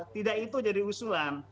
tidak itu jadi usulan